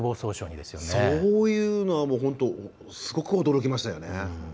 そういうのは、本当すごく驚きました。